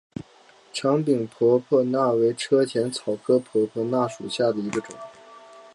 长柄婆婆纳为车前草科婆婆纳属下的一个种。